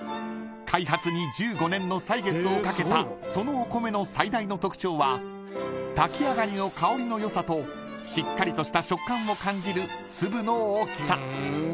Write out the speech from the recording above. ［開発に１５年の歳月をかけたそのお米の最大の特徴は炊き上がりの香りの良さとしっかりとした食感を感じる粒の大きさ］